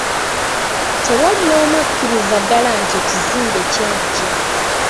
Tewali n'omu akkiriza ddala nti ekizimbe kyaggya.